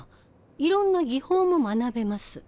いろんな技法も学べます。